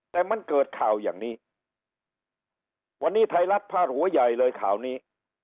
แต่มันเกิดข่าวอย่างนี้วันนี้ไทยรัฐพาดหัวใหญ่เลยข่าวนี้